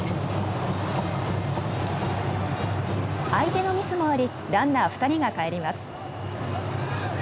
相手のミスもありランナー２人が帰ります。